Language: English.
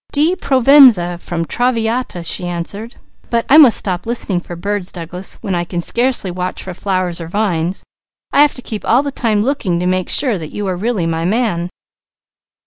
"Di Provenza, from Traviata," she answered. "But I must stop listening for birds Douglas, when I can scarcely watch for flowers or vines. I have to keep all the time looking to make sure that you are really my man."